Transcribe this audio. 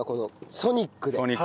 ソニックで。